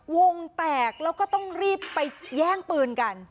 วงแตกแล้วก็ต้องรีบไปแย่งปืนกัน